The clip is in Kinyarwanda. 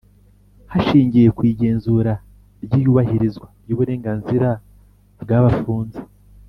Hashingiwe ku igenzura ry iyubahirizwa ry uburenganzira bwabafunze